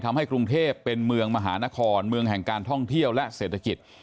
กรุงเทพเป็นเมืองมหานครเมืองแห่งการท่องเที่ยวและเศรษฐกิจ